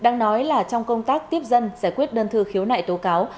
đang nói là trong công tác tiếp dân giải quyết đơn thư khiếu nại tố cáo